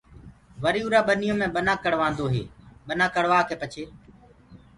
وري اُرآ ٻنيو مي ٻنآ ڪڙوآدو هي ٻنآ ڪڙوآڪي پڇي